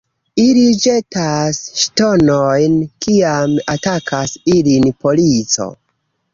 Ili ĵetas ŝtonojn, kiam atakas ilin polico.